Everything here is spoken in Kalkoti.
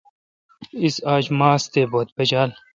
اس اج ماس تے بت پچال۔